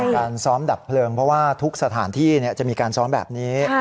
การซ้อมดับเพลิงเพราะว่าทุกสถานที่จะมีการซ้อมแบบนี้